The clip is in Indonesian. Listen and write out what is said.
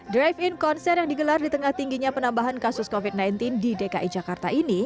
drive in konser yang digelar di tengah tingginya penambahan kasus covid sembilan belas di dki jakarta ini